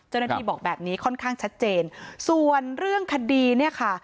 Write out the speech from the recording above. เจ้าหน้าที่บอกแบบนี้ค่อนข้างชัดเจนส่วนเรื่องคดีเนี่ยค่ะ